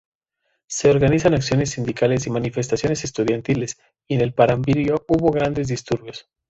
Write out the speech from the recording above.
Se organizaron acciones sindicales y manifestaciones estudiantiles, y en Paramaribo hubo grandes disturbios.